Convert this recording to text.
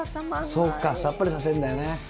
そっか、さっぱりさせるんだよね。